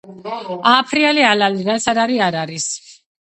ააფრინე ალალი, რაც არ არი - არ არის